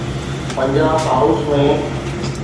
Punjab house ۾.